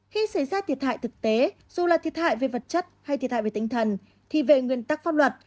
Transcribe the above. khi xảy ra thiệt hại thực tế dù là thiệt hại về vật chất hay thiệt hại về tinh thần thì về nguyên tắc pháp luật